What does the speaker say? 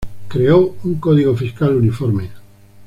Creó un código fiscal uniforme.